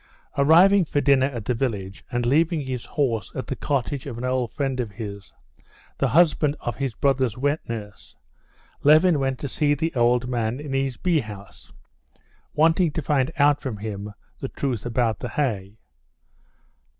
Arriving for dinner at the village, and leaving his horse at the cottage of an old friend of his, the husband of his brother's wet nurse, Levin went to see the old man in his bee house, wanting to find out from him the truth about the hay.